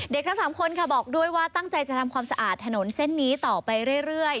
ทั้ง๓คนค่ะบอกด้วยว่าตั้งใจจะทำความสะอาดถนนเส้นนี้ต่อไปเรื่อย